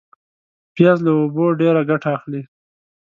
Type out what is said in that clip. پیاز له اوبو ډېر ګټه اخلي